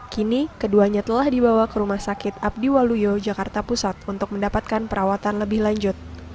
kini keduanya telah dibawa ke rumah sakit abdi waluyo jakarta pusat untuk mendapatkan perawatan lebih lanjut